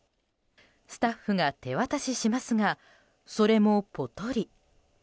スタッフが手渡ししますがそれもポトリ。